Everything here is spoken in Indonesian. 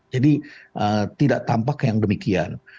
jadi tidak tampak yang demikian